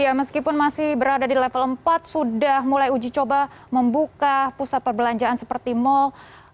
ya meskipun masih berada di level empat sudah mulai uji coba membuka pusat perbelanjaan seperti mal